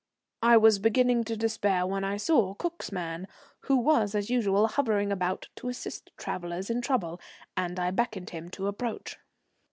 I was beginning to despair when I saw Cook's man, who was, as usual, hovering about to assist travellers in trouble, and I beckoned him to approach.